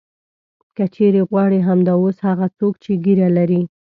که چېرې غواړې همدا اوس هغه څوک چې ږیره لري.